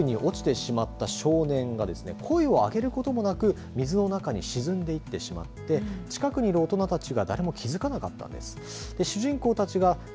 きっかけはこのワンシーンなんですけどプールに落ちてしまった少年が声を上げることもなく水の中に沈んでいってしまって近くにいる大人たちが誰も気づかなかったんです。